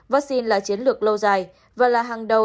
vắc xin là chiến lược lâu dài và là hàng đầu